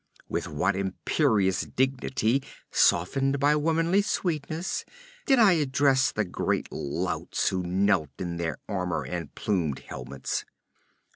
With what imperious dignity, softened by womanly sweetness, did I address the great louts who knelt in their armor and plumed helmets!'